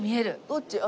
どっち？